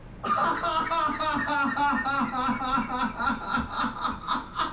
ハハハハハ。